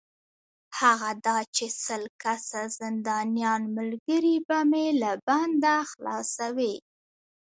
هغه دا چې سل کسه زندانیان ملګري به مې له بنده خلاصوې.